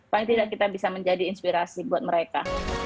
paling tidak kita bisa menjadi inspirasi buat mereka